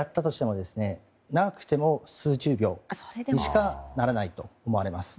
長くても数十秒にしかならないと思われます。